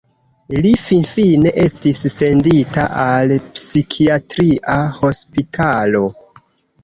Li finfine estis sendita al psikiatria hospitalo.